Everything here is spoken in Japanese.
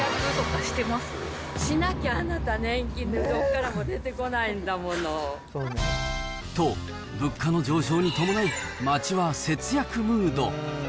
しなきゃ、あなた、年金どこからも出てこないんだもの。と、物価の上昇に伴い、街は節約ムード。